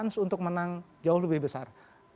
kans untuk menang jauh lebih besar